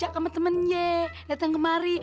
aku kedari sinya ke teng shaved tri